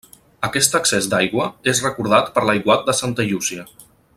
Aquest excés d’aigua és recordat per l’aiguat de Santa Llúcia.